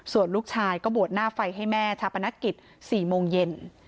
ส่วนลูกชายก็บวชหน้าไฟให้แม่ชาปนกิจ๔โมงเย็น